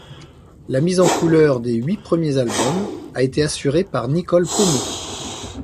La mise en couleurs des huit premiers albums a été assurée par Nicole Pommaux.